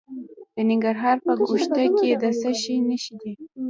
د ننګرهار په ګوشته کې د څه شي نښې دي؟